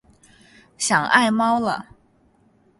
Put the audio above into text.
想爱猫了